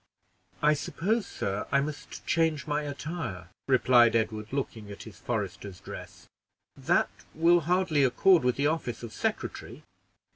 "I suppose, sir, I must change my attire?" replied Edward, looking at his forester's dress; "that will hardly accord with the office of secretary."